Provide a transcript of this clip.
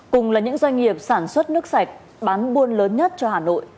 cùng là những doanh nghiệp sản xuất nước sạch bán buôn lớn nhất cho hà nội